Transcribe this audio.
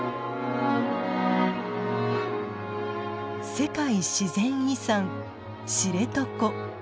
世界自然遺産知床。